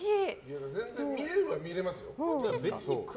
全然、見れるは見れますよ。